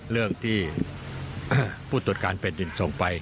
เรื่องที่ผู้ตรวจการแผ่นดินส่งไป